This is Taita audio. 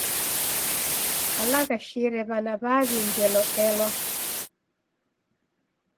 W'alaghashire w'ana w'aw'i ngelo elwa.